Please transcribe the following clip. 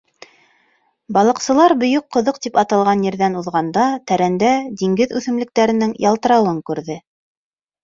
Балыҡсылар «Бөйөк ҡоҙоҡ» тип атаған ерҙән уҙғанда, тәрәндә диңгеҙ үҫемлектәренең ялтырауын күрҙе.